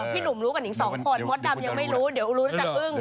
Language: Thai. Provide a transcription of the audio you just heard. พี่หนุ่มรู้กันอีกสองคนมดดำยังไม่รู้เดี๋ยวรู้จะอึ้ง